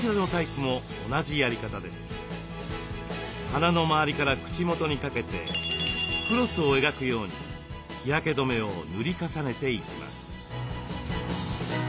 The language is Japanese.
鼻の周りから口元にかけてクロスを描くように日焼け止めを塗り重ねていきます。